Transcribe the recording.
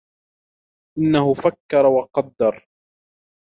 إِنَّهُ فَكَّرَ وَقَدَّرَ